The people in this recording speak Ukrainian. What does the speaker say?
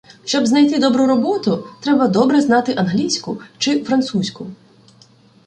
Щоб знайти добру роботу, треба добре знати англійську чи французьку